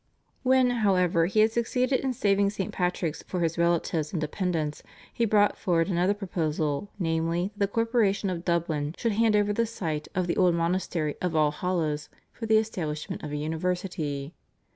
When, however, he had succeeded in saving St. Patrick's for his relatives and dependents he brought forward another proposal, namely, that the Corporation of Dublin should hand over the site of the old monastery of All Hallows for the establishment of a university.